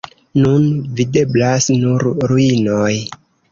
Nun videblas nur ruinoj.